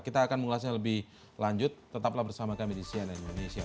kita akan mengulasnya lebih lanjut tetaplah bersama kami di cnn indonesia